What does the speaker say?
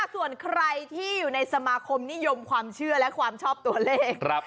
ส่วนใครที่อยู่ในสมาคมนิยมความเชื่อและความชอบตัวเลข